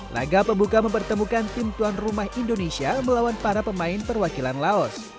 laga pembuka mempertemukan tim tuan rumah indonesia melawan para pemain perwakilan laos